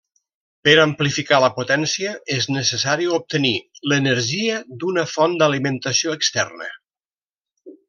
Per amplificar la potència és necessari obtenir l'energia d'una font d'alimentació externa.